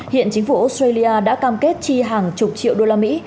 hiện chính phủ australia đã cam kết chi hàng chục triệu đô la mỹ